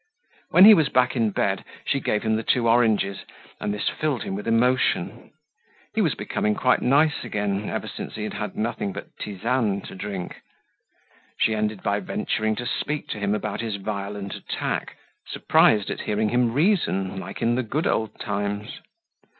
When he was back in bed she gave him the two oranges and this filled him with emotion. He was becoming quite nice again ever since he had had nothing but tisane to drink. She ended by venturing to speak to him about his violent attack, surprised at hearing him reason like in the good old times.